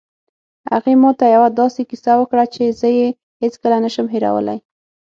هغې ما ته یوه داسې کیسه وکړه چې زه یې هېڅکله نه شم هیرولی